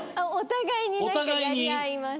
お互いに？